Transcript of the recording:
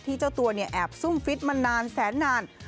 ที่เจ้าตัวแอบซุ่มฟิตมานานแสนนาน